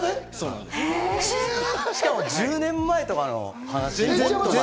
しかも１０年前とかの話。